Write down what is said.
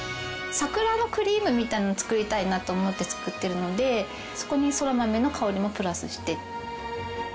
桜のクリームみたいなの作りたいなと思って作ってるのでそこにソラマメの香りもプラスして。